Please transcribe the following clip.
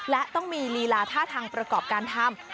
และต้องมีลีลาท่าทางประกอบการทำ